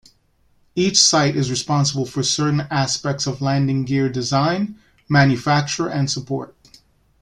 Each site is responsible for certain aspects of landing gear design, manufacture and support.